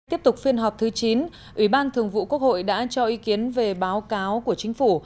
tiếp tục phiên họp thứ chín ủy ban thường vụ quốc hội đã cho ý kiến về báo cáo của chính phủ